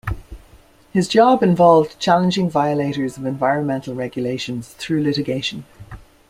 His job involved challenging violators of environmental regulations through litigation.